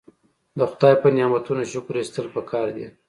د خدای په نعمتونو شکر ایستل پکار دي.